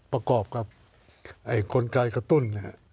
ประกอบกับกลไกกระตุ้น